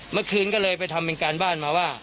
เมื่อคืนก็เลยไปทำเป็นการบ้านมาว่า